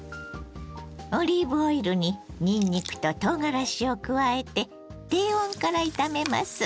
オリーブオイルににんにくととうがらしを加えて低温から炒めます。